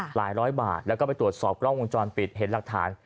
หลายร้อยบาทแล้วก็ไปตรวจสอบกล้องวงจรปิดเห็นหลักฐาน